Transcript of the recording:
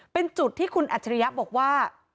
เป็นจุดที่คุณอัจฉริยะบอกว่า